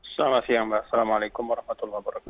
selamat siang mbak assalamualaikum wr wb